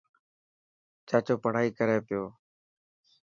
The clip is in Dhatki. چاچو پڙهائي ڪري پيو.